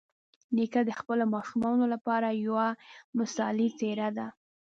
نیکه د خپلو ماشومانو لپاره یوه مثالي څېره ده.